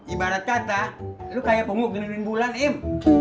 ibarat kata lu kayak penguk gini gini bulan im